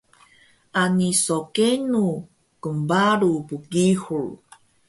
Ani so kenu knparu bgihur